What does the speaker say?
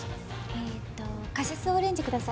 えっとカシスオレンジ下さい。